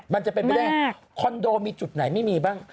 มันจะเป็นไม่ได้คอนโดมีจุดไหนไม่มีบ้าง